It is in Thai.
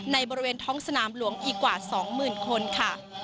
บริเวณท้องสนามหลวงอีกกว่า๒๐๐๐คนค่ะ